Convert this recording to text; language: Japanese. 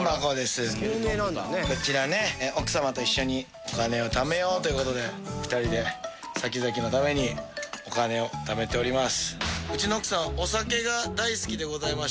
こちらね奥様と一緒にお金を貯めようという事で２人で先々のためにお金を貯めております。